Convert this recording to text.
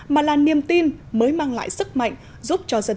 mà là niềm tin mới mang lại sức mạnh giúp cho dân tộc việt nam